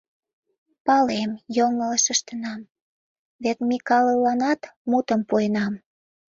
Палем, йоҥылыш ыштенам, вет Микалыланат мутым пуэнам...